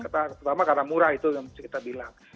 pertama karena murah itu yang bisa kita bilang